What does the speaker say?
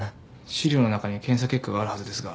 資料の中に検査結果があるはずですが。